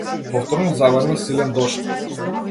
Повторно заврна силен дожд.